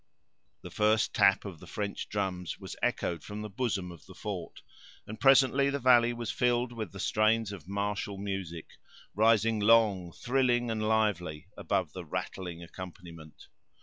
The first tap of the French drums was echoed from the bosom of the fort, and presently the valley was filled with the strains of martial music, rising long, thrilling and lively above the rattling accompaniment.